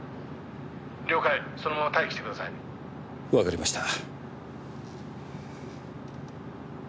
「了解そのまま待機してください」わかりました。